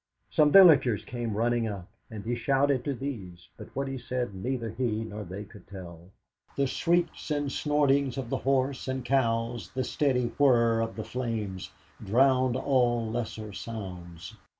Some villagers came running up, and he shouted to these, but what he said neither he nor they could tell. The shrieks and snortings of the horse and cows, the steady whirr of the flames, drowned all lesser sounds.